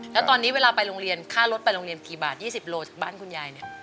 แล้วตอนนี้เวลาไปโรงเรียนค่ารถไปโรงเรียนกี่บาท๒๐โลจากบ้านคุณยายเนี่ย